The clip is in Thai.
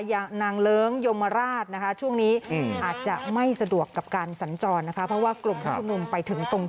อย่างนางเลิ้งยมราชช่วงนี้